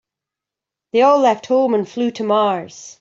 They all left home and flew to Mars.